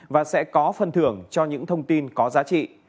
và sẽ có phân thưởng cho những thông tin có giá trị